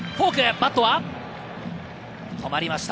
バットは止まりました。